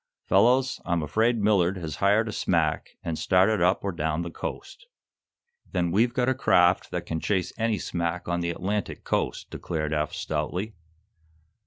Fellows, I'm afraid Millard has hired a smack and started up or down the coast." "Then we've got a craft that can chase any smack on the Atlantic coast," declared. Eph, stoutly.